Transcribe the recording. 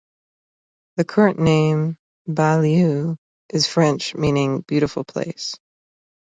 The current name "Beaulieu" is French, meaning "beautiful place".